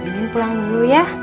min pulang dulu ya